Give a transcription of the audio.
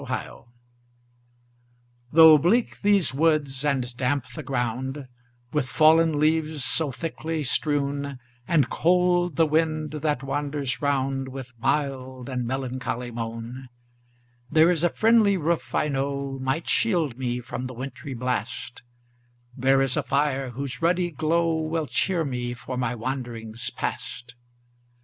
THE CONSOLATION. Though bleak these woods, and damp the ground With fallen leaves so thickly strown, And cold the wind that wanders round With wild and melancholy moan; There IS a friendly roof, I know, Might shield me from the wintry blast; There is a fire, whose ruddy glow Will cheer me for my wanderings past.